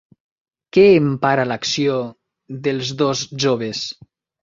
Què empara l'acció dels dos joves?